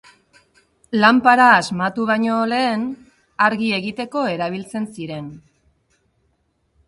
Lanpara asmatu baino lehen, argi egiteko erabiltzen ziren.